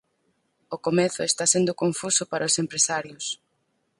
O comezo está sendo confuso para os empresarios.